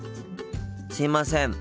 すいません。